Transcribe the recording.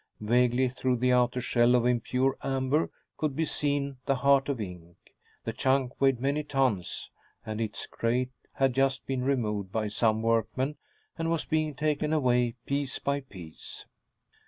Vaguely, through the outer shell of impure amber, could be seen the heart of ink. The chunk weighed many tons, and its crate had just been removed by some workmen and was being taken away, piece by piece.